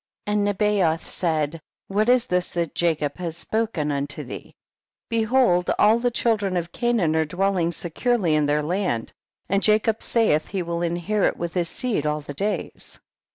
22. And Nebayoth said, what is this that Jacob hath spoken unto thee ? behold all the children of Ca naan are dwelling securely in their land, and Jacob sayeth he will inhe rit it with his seed all the days.